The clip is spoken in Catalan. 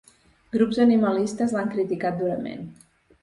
Grups animalistes l’han criticat durament.